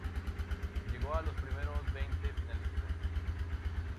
Llegó a los primeros veinte finalistas.